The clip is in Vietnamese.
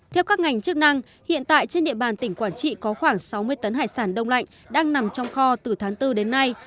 theo các ngành chức năng hiện tại trên địa bàn tỉnh quảng trị có khoảng sáu mươi tấn hải sản đông lạnh đang nằm trong kho từ tháng bốn đến nay